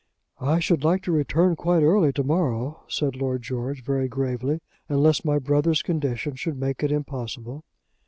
"I should like to return quite early to morrow," said Lord George, very gravely, "unless my brother's condition should make it impossible."